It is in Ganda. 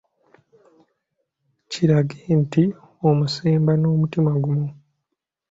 Kirage nti omusemba n'omutima gumu.